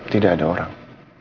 tidak ada orang